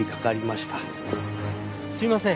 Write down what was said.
すいません。